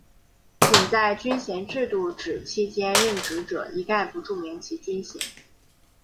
仅在军衔制废止期间任职者一概不注明其军衔。